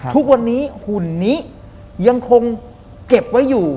ทุกวันนี้หุ่นนี้ยังคงเก็บไว้อยู่